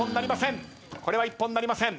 これは一本なりません。